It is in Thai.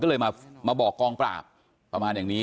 ก็เลยมาบอกกองปราบประมาณอย่างนี้